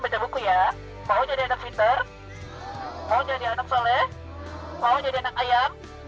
baca buku ya mau jadi anak finter mau jadi anak soleh mau jadi anak ayam